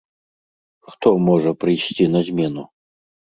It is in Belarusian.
Хто можа прыйсці на змену?